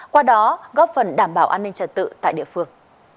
qua đó góp phần đảm bảo an ninh trật tự tại địa phương